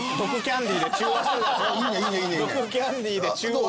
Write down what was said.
ドクキャンディで中和？